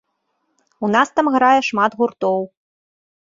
У нас там грае шмат гуртоў.